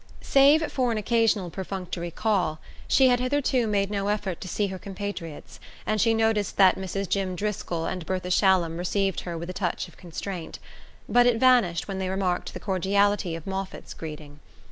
Save for an occasional perfunctory call, she had hitherto made no effort to see her compatriots, and she noticed that Mrs. Jim Driscoll and Bertha Shallum received her with a touch of constraint; but it vanished when they remarked the cordiality of Moffatt's greeting.